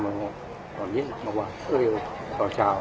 เมื่อตอนนี้เมื่อวันเอ้ยตอนเช้า